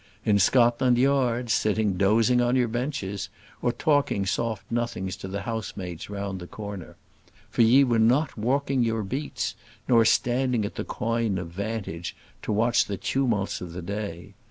In Scotland Yard, sitting dozing on your benches, or talking soft nothings to the housemaids round the corner; for ye were not walking on your beats, nor standing at coign of vantage, to watch the tumults of the day.